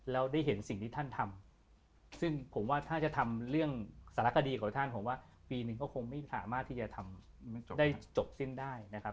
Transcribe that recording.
แล้วได้เห็นสิ่งที่ท่านทำซึ่งผมว่าถ้าจะทำเรื่องสารคดีของท่านผมว่าปีหนึ่งก็คงไม่สามารถที่จะทำได้จบสิ้นได้นะครับ